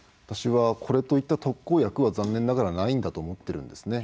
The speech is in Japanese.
私はこれといった特効薬は残念ながらないと思います。